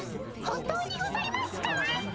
本当にございますか？